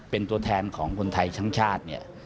เป็นตัวแทนของคนไทยทั้งชาติเนี่ย